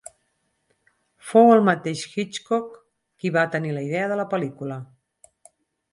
Fou el mateix Hitchcock qui va tenir la idea de la pel·lícula.